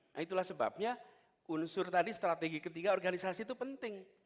nah itulah sebabnya unsur tadi strategi ketiga organisasi itu penting